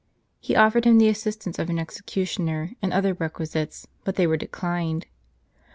He offered him the assistance of an executioner, and other requisites; but they were declined.